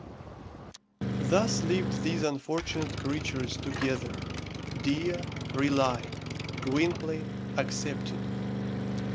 Thus lived these unfortunate creatures together Dea, relying; Gwynplaine, accepted.